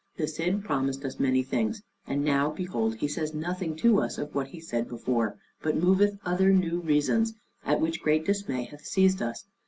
The Cid promised us many things, and now behold he says nothing to us of what he said before, but moveth other new reasons, at which great dismay hath seized us.